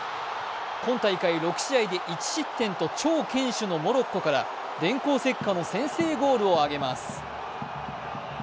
今大会６試合で１失点と超堅守のモロッコから電光石火の先制ゴールをあげます。